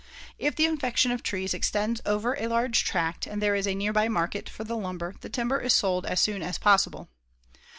If the infection of trees extends over a large tract, and there is a nearby market for the lumber the timber is sold as soon as possible.